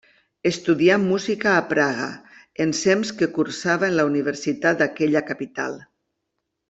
Estudià música a Praga, ensems que cursava en la Universitat d'aquella capital.